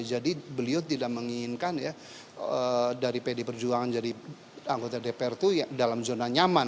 jadi beliau tidak menginginkan ya dari pdi perjuangan jadi anggota dpr itu dalam zona nyaman